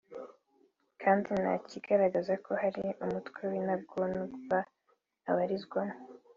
kandi nta n’ikigaragaza ko hari umutwe w’intagondwa abarizwamo